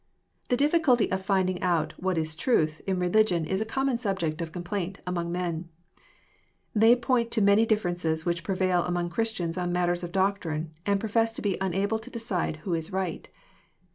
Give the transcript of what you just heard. The difficulty of finding out " what is truth " in religion is a conunon subject of complaint among men. They point to the many differences whiQh prevail among Christians on matters of doctrine, and profes8~to be unable to decide who is right.